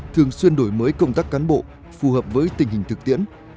thường xuyên đổi mới công tác cán bộ phù hợp với tình hình thực tiễn